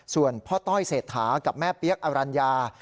ส่วนพ่อต้อยเศรษฐากับแม่เปี๊ยกอรัญญา